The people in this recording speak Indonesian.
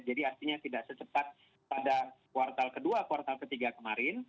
jadi artinya tidak secepat pada kuartal ke dua kuartal ke tiga kemarin